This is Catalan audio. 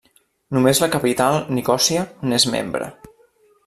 Només la capital, Nicòsia, n'és membre.